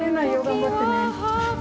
頑張ってね。